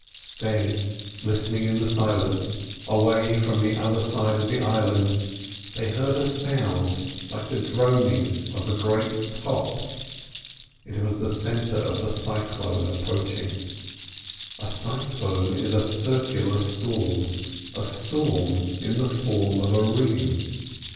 Then, listening in the silence, away from the other side of the island, they heard a sound like the droning of a great top. It was the centre of the cyclone approaching. A cyclone is a circular storm: a storm in the form of a ring.